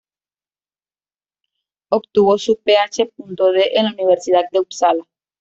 Obtuvo su Ph.D en la Universidad de Upsala.